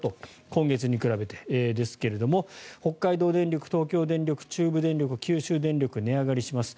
今月に比べてですが北海道電力、東京電力中部電力、九州電力値上がりします。